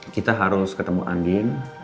kita harus ketemu andin